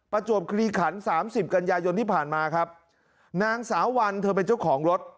ประจวบคลีขันสามสิบกันยายนที่ผ่านมาครับนางสาววันเธอเป็นเจ้าของรถ